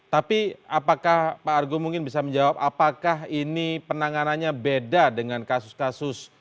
tapi apakah pak argo mungkin bisa menjawab apakah ini penanganannya beda dengan kasus kasus